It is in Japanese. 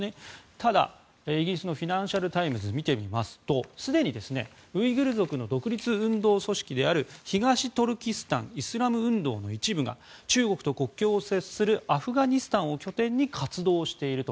ただ、イギリスのフィナンシャル・タイムズ見てみますとすでにウイグル族の独立運動組織である東トルキスタン・イスラム運動の一部が中国と国境を接するアフガニスタンを拠点に活動していると。